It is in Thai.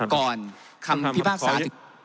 ก่อนคำพิพากษา